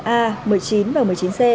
a một mươi chín và một mươi chín c